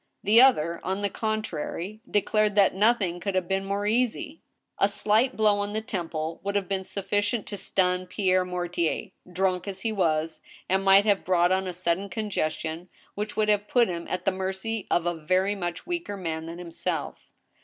The other, on the contrary, declared that nothing could have' been more easy. A slight blow on the temple would have been sufficient to stun Pierre Mortier, drunk as he was, and might have brought on sudden congestion, which would have put him at the mercy of a very much weaker man than himself.